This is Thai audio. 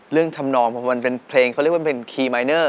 เรื่องทำนองเพราะมันเป็นเพลงเขาเรียกว่าเป็นคีย์มายเนอร์